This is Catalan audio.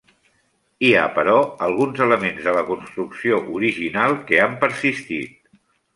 Hi ha però alguns elements de la construcció original que han persistit.